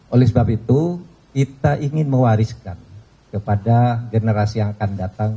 oleh sebab itu kita ingin mewariskan kepada generasi yang akan datang